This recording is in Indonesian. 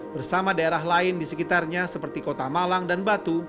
bersama daerah lain di sekitarnya seperti kota malang dan batu